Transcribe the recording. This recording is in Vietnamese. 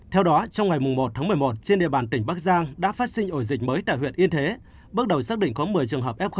theo đó trong ngày một tháng một mươi một trên địa bàn tỉnh bắc giang đã phát sinh ổ dịch mới tại huyện yên thế bước đầu xác định có một mươi trường hợp f một